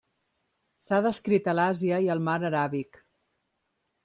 S'ha descrit a l'Àsia i al mar aràbic.